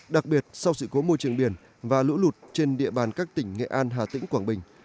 đặc biệt sau sự cố môi trường biển và lũ lụt trên địa bàn các tỉnh nghệ an hà tĩnh quảng bình